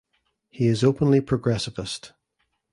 He is openly progressivist.